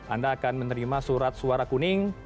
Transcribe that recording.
anda akan menerima surat suara kuning